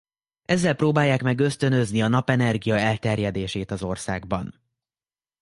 Ezzel próbálják meg ösztönözni a napenergia elterjedését az országban.